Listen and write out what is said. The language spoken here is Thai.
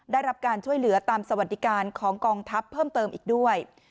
ได้รับการช่วยเหลือตามสวัสดิการของกองทัพเพิ่มเติมอีกด้วย